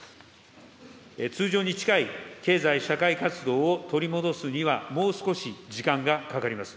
通常に近い経済社会活動を取り戻すには、もう少し時間がかかります。